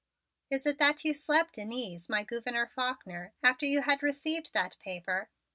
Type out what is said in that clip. Is it that you slept in ease, my Gouverneur Faulkner, after you had received that paper?